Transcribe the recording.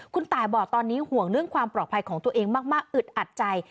คุณตายบอกตอนนี้ห่วงเรื่องความปลอดภัยของตัวเองมากอึดอัดใจ